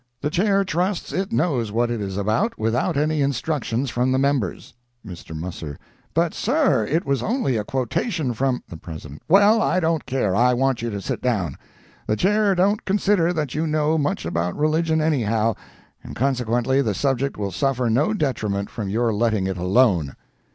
The Chair trusts it knows what it is about, without any instructions from the members." Mr. Musser—"But, sir, it was only a quotation from—" The President—"Well, I don't care, I want you to sit down. The Chair don't consider that you know much about religion anyhow, and consequently the subject will suffer no detriment from your letting it alone.